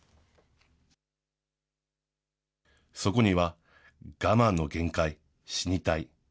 そこには我慢の限界、死にたい。